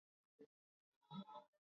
mwezi januari gazeti moja la uingereza